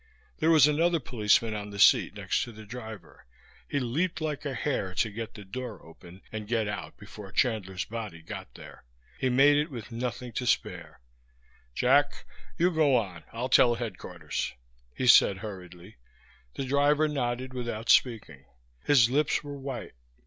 There was another policeman on the seat next to the driver. He leaped like a hare to get the door open and get out before Chandler's body got there. He made it with nothing to spare. "Jack, you go on, I'll tell Headquarters," he said hurriedly. The driver nodded without speaking. His lips were white.